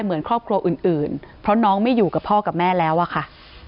เหมือนครอบครัวอื่นเพราะน้องไม่อยู่กับพ่อกับแม่แล้วอะค่ะ